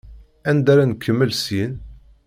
Anda ara nkemmel syin?